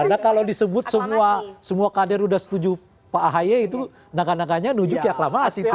karena kalau disebut semua kader sudah setuju pak ahaye itu nangka nangkanya menuju ke aklamasi